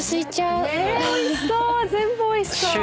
全部おいしそう。